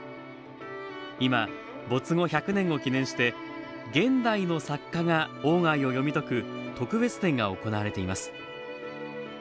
今、没後１００年を記念して、現代の作家が鴎外を読み解く特別展が行われています。